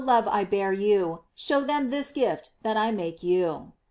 love I bear you, show them this gift that I make you."